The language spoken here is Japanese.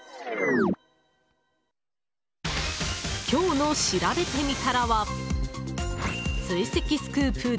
今日のしらべてみたらは追跡スクープ